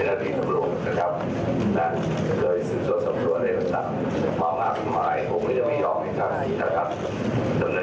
ใครจะต้องเอาตำแหน่งหน้าที่ต้องการนะครับ